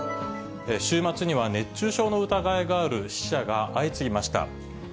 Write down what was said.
週末には熱中症の疑いがある死者が相次ぎました。